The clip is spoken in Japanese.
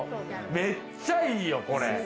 めっちゃいいよ、これ。